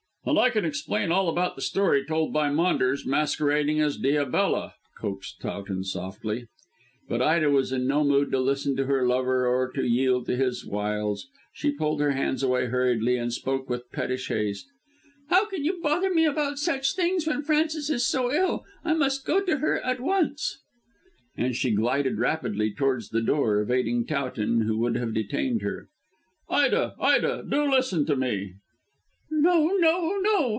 "And I can explain all about the story told by Maunders, masquerading as Diabella," coaxed Towton softly. But Ida was in no mood to listen to her lover or to yield to his wiles. She pulled her hands away hurriedly and spoke with pettish haste. "How can you bother me about such things when Frances is so ill? I must go to her at once." And she glided rapidly towards the door, evading Towton, who would have detained her. "Ida, Ida! do listen to me." "No! No! No!